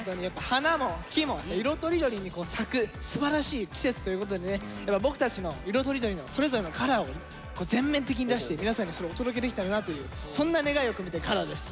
花も木も色とりどりに咲くすばらしい季節ということでねやっぱ僕たちの色とりどりのそれぞれのカラーを全面的に出して皆さんにそれをお届けできたらなというそんな願いを込めて「ＣＯＬＯＲ」です！